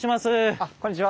あっこんにちは。